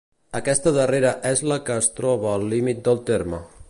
Aquesta darrera és la que es troba al límit del terme.